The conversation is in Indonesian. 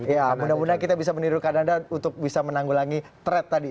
ya mudah mudahan kita bisa meniru kanada untuk bisa menanggulangi threat tadi